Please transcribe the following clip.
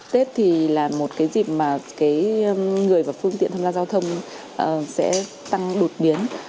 tết thì là một cái dịp mà người và phương tiện tham gia giao thông sẽ tăng đột biến